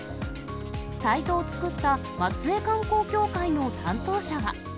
サイトを作った松江観光協会の担当者は。